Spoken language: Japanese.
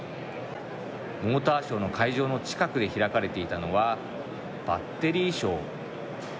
モーターショーの会場の近くで開かれていたのはバッテリー・ショー。